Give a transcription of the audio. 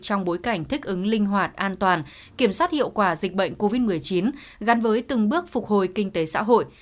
trong bối cảnh thích ứng linh hoạt an toàn kiểm soát hiệu quả dịch bệnh covid một mươi chín gắn với từng bước phục hồi kinh tế xã hội